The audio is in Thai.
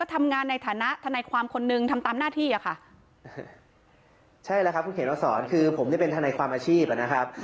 ทำงานในฐานะทนายความคนหนึ่งทำตามหน้าที่อ่ะค่ะใช่แล้วครับคุณเขียนมาสอนคือผมนี่เป็นทนายความอาชีพอ่ะนะครับ